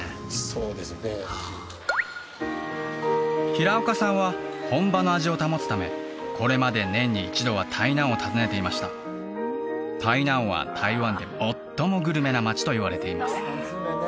そうですね平岡さんは本場の味を保つためこれまで年に一度は台南を訪ねていました台南は台湾で最もグルメな町といわれています